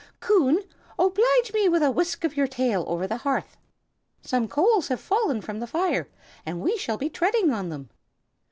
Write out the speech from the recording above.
Coon, oblige me with a whisk of your tail over the hearth. Some coals have fallen from the fire, and we shall be treading on them."